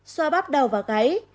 ba xoa bắp đầu và gáy